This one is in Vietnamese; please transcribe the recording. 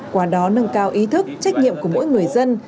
qua đó nâng cao ý thức trách nhiệm của mỗi người dân